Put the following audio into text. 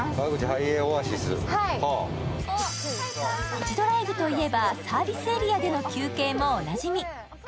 コジドライブといえばサービスエリアでの休憩もおなじみ。